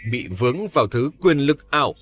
bị vướng vào thứ quyền lực ảo